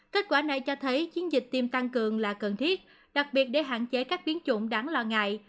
kết quả này cho thấy chiến dịch tiêm tăng cường là cần thiết đặc biệt để hạn chế các biến chủng đáng lo ngại